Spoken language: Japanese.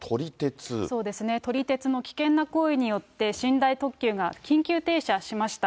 そうですね、撮り鉄の危険な行為によって、寝台特急が緊急停車しました。